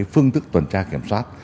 phương tức tuần tra kiểm soát